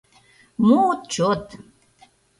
— Мо отчёт!..